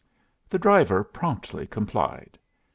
The driver promptly complied.